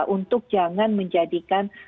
untuk jangan menjadikan